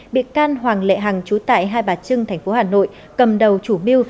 bị can hoàng lệ hằng chú tại hai bà trưng tp hà nội cầm đầu chủ mưu